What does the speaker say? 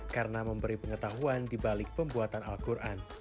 karena memberi pengetahuan di balik pembuatan al quran